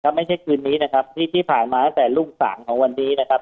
ไม่ใช่คืนนี้นะครับที่ผ่านมาตั้งแต่รุ่งสามของวันนี้นะครับ